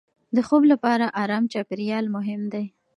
د خوب لپاره ارام چاپېریال مهم دی.